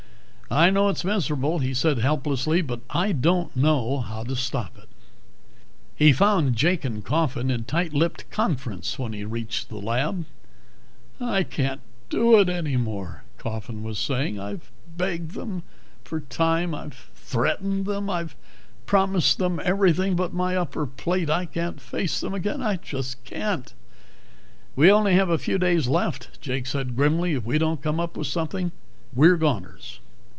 "I know it's miserable," he said helplessly. "But I don't know how to stop it." He found Jake and Coffin in tight lipped conference when he reached the lab. "I can't do it any more," Coffin was saying. "I've begged them for time. I've threatened them. I've promised them everything but my upper plate. I can't face them again, I just can't." "We only have a few days left," Jake said grimly. "If we don't come up with something, we're goners."